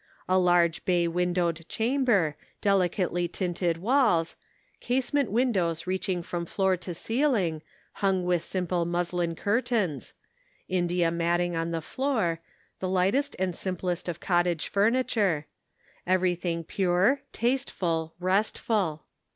A large ba}r windowed chamber, delicately tinted walls ; casement windows reaching from floor to ceiling, hung with simple muslin curtains ; India matting on the floor ; the lightest and simplest of cot tage furniture ; everything pure, tasteful, rest ful.